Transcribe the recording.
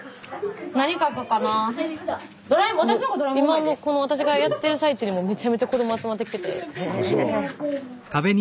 今この私がやってる最中にもめちゃめちゃ子ども集まってきてて。